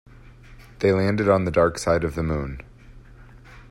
They landed on the dark side of the moon.